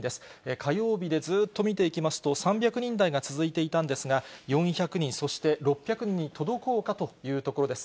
火曜日でずっと見ていきますと、３００人台が続いていたんですが、４００人、そして６００人に届こうかというところです。